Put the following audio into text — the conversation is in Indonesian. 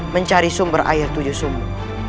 mencari sumber air tujuh sumur